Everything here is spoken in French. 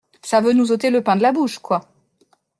Ça veut nous ôter le pain de la bouche, quoi!